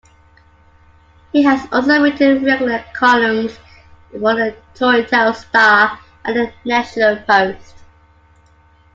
He has also written regular columns for the "Toronto Star" and the "National Post".